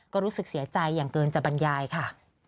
ก็รู้สึกเสียใจอย่างเกินจะบรรยายค่ะ